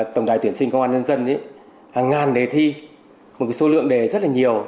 tổng đài tuyển sinh công an nhân dân hàng ngàn đề thi một số lượng đề rất là nhiều